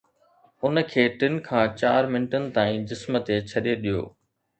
ان کي ٽن کان چار منٽن تائين جسم تي ڇڏي ڏيو